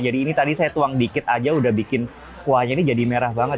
jadi ini tadi saya tuang dikit aja udah bikin kuahnya ini jadi merah banget